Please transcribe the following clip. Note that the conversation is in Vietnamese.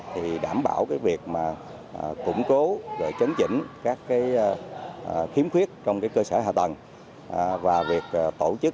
thì đảm bảo việc củng cố chấn chỉnh các khiếm khuyết trong cơ sở hạ tầng và việc tổ chức